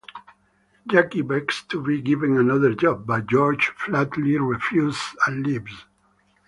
Jackie begs to be given another job, but George flatly refuses and leaves.